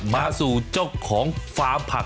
มาจุเจ้าของฟ้าผัก